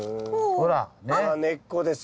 根っこです。